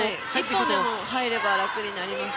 １本でも入れば楽になります